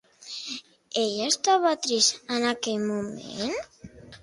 Ell estava trist en aquell moment?